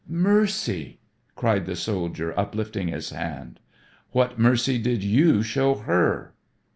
"Mercy," cried the soldier uplifting his hand. "What mercy did you show her?"